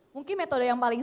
mungkin metode yang paling